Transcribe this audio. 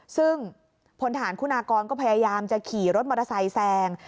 ซึ่งพลฐานคุณากรก็พยายามจะขี่รถมอเตอร์ไซค์แซง